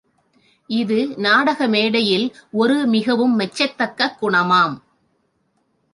இது நாடக மேடையில் ஒரு மிகவும் மெச்சத்தக்க குணமாம்.